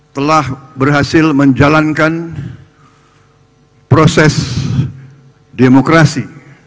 telah berhasil menjalankan proses demokrasi